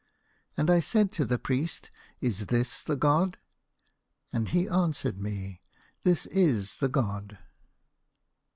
"And I said to the priest, 'Is this the god?' And he answered me, 'This is the god.